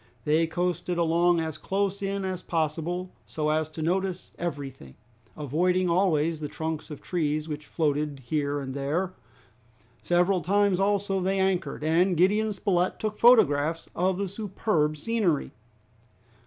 They coasted along as close in as possible, so as to notice everything, avoiding always the trunks of trees which floated here and there. Several times also they anchored, and Gideon Spilett took photographs of the superb scenery.